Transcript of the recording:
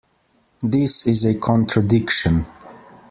This is a contradiction.